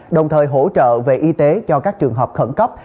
đồng thời hỗ trợ về y tế cho các trường hợp khẩn cấp